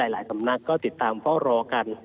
หลายสำนักก็ติดตามเฝ้ารอกัน